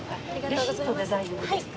レシートで大丈夫ですか？